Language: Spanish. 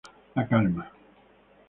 La calma.